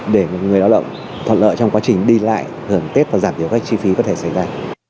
để người lao động thuận lợi trong quá trình đi lại hưởng tết và giảm thiểu các chi phí có thể xảy ra